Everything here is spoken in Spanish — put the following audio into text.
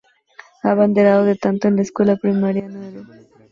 Abanderado tanto en la Escuela Primaria Nro.